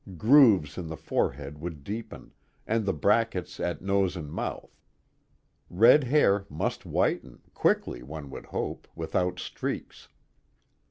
Grooves in the forehead would deepen, and the brackets at nose and mouth. Red hair must whiten quickly, one could hope, without streaks.